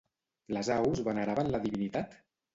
Les aus veneraven la divinitat?